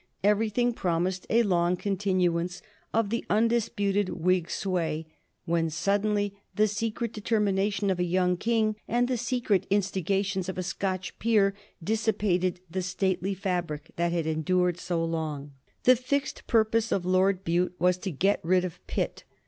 Everything promised a long continuance of the undisputed Whig sway when suddenly the secret determination of a young King and the secret instigations of a Scotch peer dissipated the stately fabric that had endured so long. The fixed purpose of Lord Bute was to get rid of Pitt.